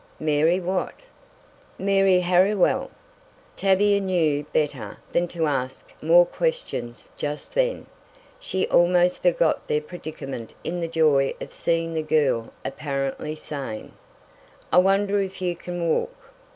"Mary what?" "Mary Harriwell." Tavia knew better than to ask more questions just then. She almost forgot their predicament in the joy of seeing the girl apparently sane. "I wonder if you can walk?"